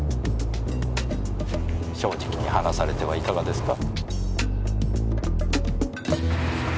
正直に話されてはいかがですか？